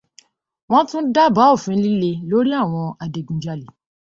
Wọ́n tún dábàá òfin líle lóri àwọn adigunjalè.